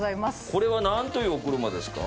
これは何というお車ですか？